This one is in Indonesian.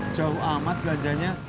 jauh amat belanjanya